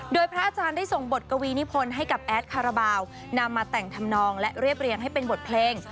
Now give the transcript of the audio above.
โดยพระอาจารย์ได้ส่งบทกวีนิพลให้กับแอดคาราบาลนำมาแต่งทำนองและเรียบเรียงให้เป็นบทเพลง